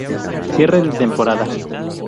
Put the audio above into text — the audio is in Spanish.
Cierre de temporada.